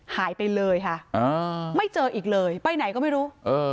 หายไปเลยค่ะอ่าไม่เจออีกเลยไปไหนก็ไม่รู้